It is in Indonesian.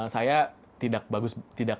saya tidak bagus